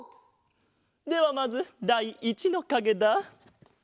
ではまずだい１のかげだ。